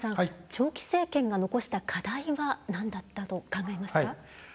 長期政権が残した課題はなんだったと考えますか？